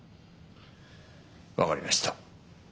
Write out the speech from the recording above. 分かりました。